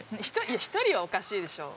◆え１人はおかしいでしょう。